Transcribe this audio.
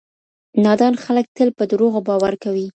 نادان خلګ تل په دروغو باور کوي.